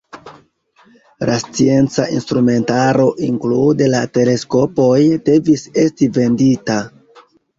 La scienca instrumentaro inklude la teleskopoj, devis esti vendita.